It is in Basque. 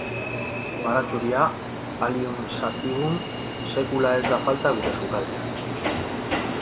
Baratxuria, Allium sativum, sekula ez da falta gure sukaldean.